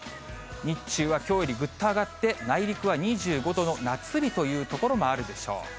日中はきょうよりぐっと上がって、内陸は２５度の夏日という所もあるでしょう。